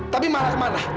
tapi malah kemana